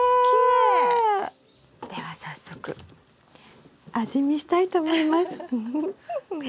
きれい！では早速味見したいと思います。